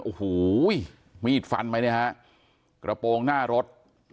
โอ้โหมีดฟันไปเนี่ยฮะกระโปรงหน้ารถ